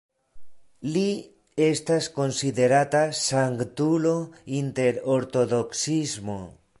Li estas konsiderata sanktulo inter Ortodoksismo.